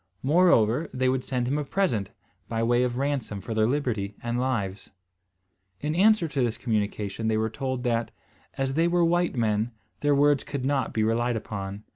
Moreover, they would send him a present, by way of ransom for their liberty and lives. In answer to this communication they were told, that, as they were white men, their words could not be relied upon.